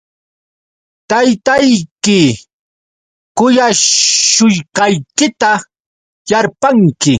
Taytayki kuyashushqaykita yarpanki.